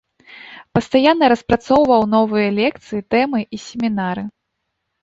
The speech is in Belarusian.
Пастаянна распрацоўваў новыя лекцыі, тэмы і семінары.